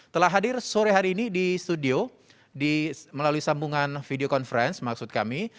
telah hadir sore hari ini di studio melalui sambungan video conference maksud kami